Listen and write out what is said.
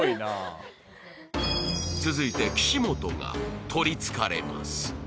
続いて岸本が取り憑かれます